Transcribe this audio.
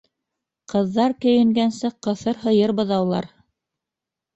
Ҡыҙҙар кейенгәнсе ҡыҫыр һыйыр быҙаулар.